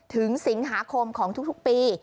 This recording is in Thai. ถึงสิงหาคมของทุกปี